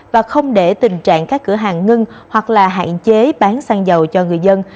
và không để tình trạng các cửa hàng ngưng hoặc là hạn chế bán xăng dầu cho người dân